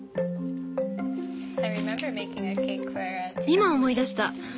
今思い出した。